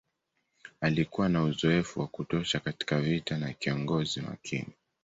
Alikuwa na uzoefu wa kutosha katika vita na kiongozi makini.